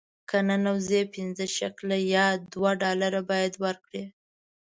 که ننوځې پنځه شکله یا دوه ډالره باید ورکړې.